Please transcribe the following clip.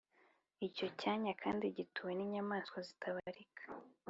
icyo cyanya kandi gituwe n’inyamaswa zitabarika